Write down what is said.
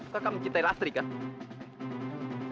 kaka mencintai lastri kak